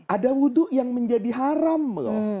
ada wudhu yang menjadi haram loh